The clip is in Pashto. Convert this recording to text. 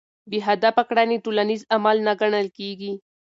بې هدفه کړنې ټولنیز عمل نه ګڼل کېږي.